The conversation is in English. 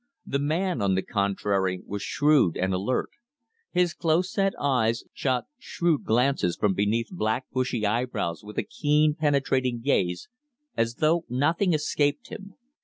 The man, on the contrary, was shrewd and alert. His close set eyes shot shrewd glances from beneath black bushy eyebrows with a keen, penetrating gaze, as though nothing escaped him.